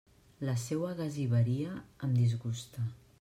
La seua gasiveria em disgusta.